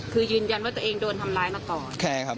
คือยืนยันว่าตัวเองโดนทำร้ายมาก่อน